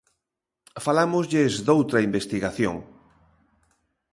Falámoslles doutra investigación.